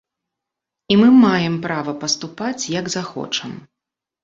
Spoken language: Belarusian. І мы маем права паступаць, як захочам.